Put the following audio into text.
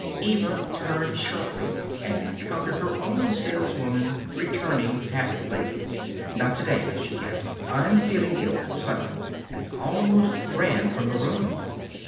Eva turned sharply and encountered her own saleswoman returning hat laden. "Not today," she gasped. "I'm feeling ill. Suddenly." And almost ran from the room.